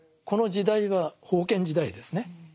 この時代は封建時代ですね。